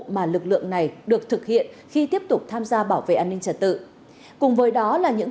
mà lực lượng này được thực hiện khi tiếp tục tham gia bảo vệ an ninh trật tự cùng với đó là những